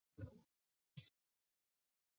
儿子朱健杙被册封为世孙。